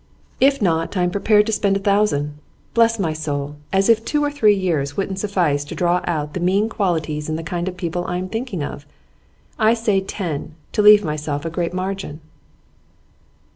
'If not, I am prepared to spend a thousand. Bless my soul! As if two or three years wouldn't suffice to draw out the mean qualities in the kind of people I am thinking of! I say ten, to leave myself a great margin.